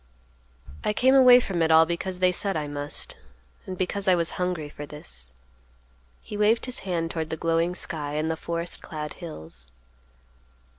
"I came away from it all because they said I must, and because I was hungry for this." He waved his hand toward the glowing sky and the forest clad hills.